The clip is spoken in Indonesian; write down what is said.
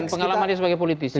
pengalaman dia sebagai politisi